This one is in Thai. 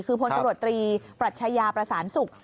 คือพลตำรวจตรีปรัชญาประสานศุกร์